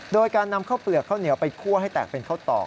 โดยการนำข้าวเปลือกข้าวเหนียวไปคั่วให้แตกเป็นข้าวต่อ